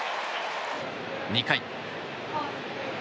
２回。